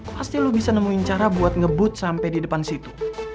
pasti lo bisa nemuin cara buat ngebut sampai di depan situ